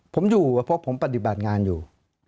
ผมอยู่เพราะผมปฏิบัติงานอยู่